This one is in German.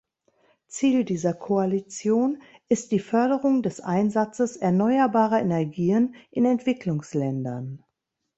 Ziel dieser Koalition ist die Förderung des Einsatzes erneuerbarer Energien in Entwicklungsländern.